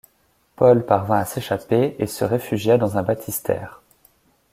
Paul parvint à s'échapper et se réfugia dans un baptistère.